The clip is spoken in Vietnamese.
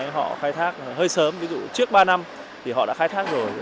họ khai thác hơi sớm ví dụ trước ba năm thì họ đã khai thác rồi